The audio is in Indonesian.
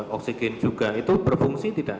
oksigen juga itu berfungsi tidak